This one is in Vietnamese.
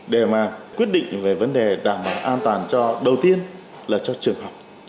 để mà quyết định về vấn đề đảm bảo an toàn cho đầu tiên là cho trường học